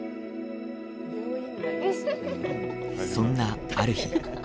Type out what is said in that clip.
そんな、ある日。